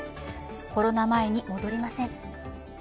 コロナ前に戻りません。